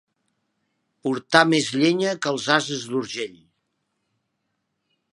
Portar més llenya que els ases d'Urgell.